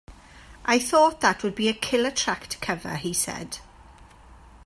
"I thought that would be a killer track to cover," he said.